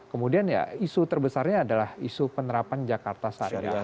kemudian ya isu terbesarnya adalah isu penerapan jakarta sadar